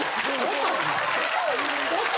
音！